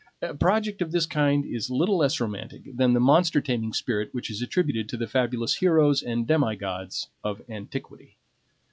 A project of this kind is little less romantic than the monster taming spirit which is attributed to the fabulous heroes and demi gods of antiquity.